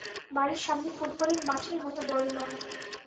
বাড়ির সামনে ফুটবলের মাঠের মতো বড় লন।